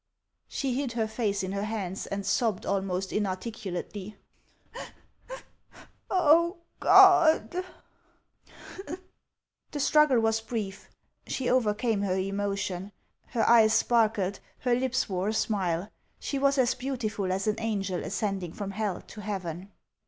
She hid her face in her hands, and sobbed almost inarticulately, " Oh, God !" The struggle was brief; she overcame her emotion ; her eyes sparkled, her lips wore a smile. She was as beauti ful as an angel ascending from hell to heaven.